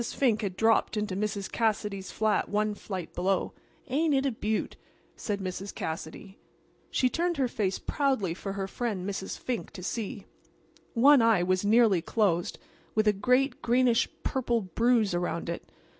Fink had dropped into Mrs. Cassidy's flat one flight below. "Ain't it a beaut?" said Mrs. Cassidy. She turned her face proudly for her friend Mrs. Fink to see. One eye was nearly closed, with a great, greenish purple bruise around it.